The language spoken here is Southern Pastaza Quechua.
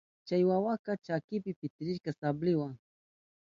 Chay wawaka chakinpi pitirirka sabliwa.